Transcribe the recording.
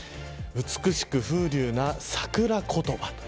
美しく風流な桜言葉。